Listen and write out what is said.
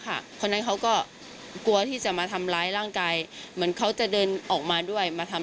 เพราะฉะนั้นเขาก็กลัวที่จะมาทำร้ายร่างกายเหมือนเขาจะเดินออกมาด้วยมาทำ